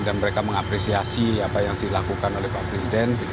dan mereka mengapresiasi apa yang dilakukan oleh pak presiden